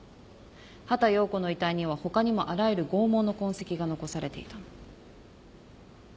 畑葉子の遺体には他にもあらゆる拷問の痕跡が残されていたの。